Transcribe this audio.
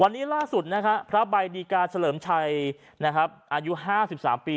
วันนี้ล่าสุดพระบัยดีกาเสลิมชัยอายุ๕๓ปี